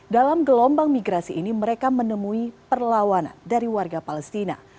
dalam gelombang migrasi ini mereka menemui perlawanan dari warga palestina